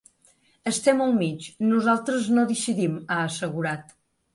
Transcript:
Estem al mig, nosaltres no decidim, ha assegurat.